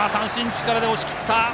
力で押し切った。